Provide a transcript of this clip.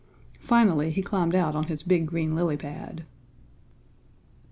Finally he climbed out on his big green lily pad.